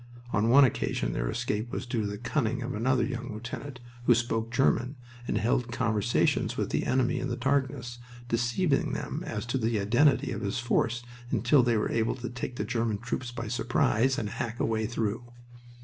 On one occasion their escape was due to the cunning of another young lieutenant, who spoke German and held conversations with the enemy in the darkness, deceiving them as to the identity of his force until they were able to take the German troops by surprise and hack a way through.